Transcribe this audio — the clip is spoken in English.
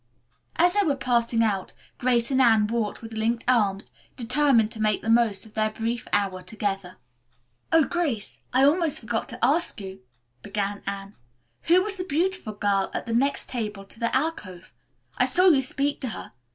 As they were passing out, Grace and Anne walked with linked arms, determined to make the most of their brief hour together. "Oh, Grace, I almost forgot to ask you," began Anne, "who was that beautiful girl at the next table to the alcove? I saw you speak to her.